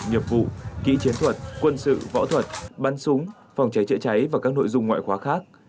nghiệp vụ kỹ chiến thuật quân sự võ thuật bắn súng phòng cháy chữa cháy và các nội dung ngoại khóa khác